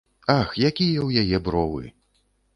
Ах, якія ў яе бровы!